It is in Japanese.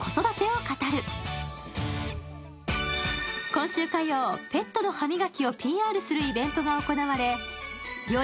今週火曜、ペットの歯磨きをＰＲするイベントが行われ、よ